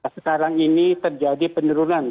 sekarang ini terjadi penurunan